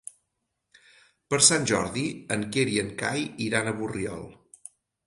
Per Sant Jordi en Quer i en Cai iran a Borriol.